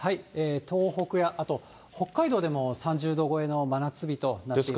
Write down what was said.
東北や、あと北海道でも３０度超えの真夏日となっています。